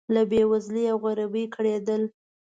له بې وزلۍ او غریبۍ کړېدل.